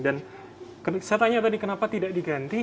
dan saya tanya tadi kenapa tidak diganti